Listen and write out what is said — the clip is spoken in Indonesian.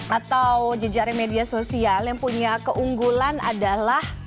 atau jejaring media sosial yang punya keunggulan adalah